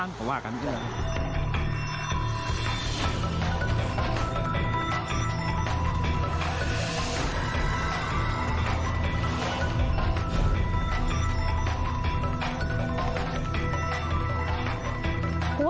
สวัสดีครับ